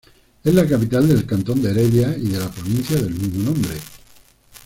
Es la capital del cantón de Heredia y de la provincia del mismo nombre.